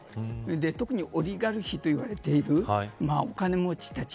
特にオリガルヒといわれているお金持ちたち